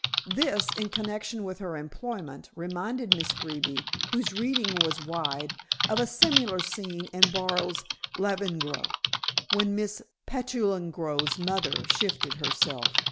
This, in connection with her employment, reminded Miss Greeby whose reading was wide of a similar scene in Borrow's "Lavengro," when Mrs. Pentulengro's mother shifted herself.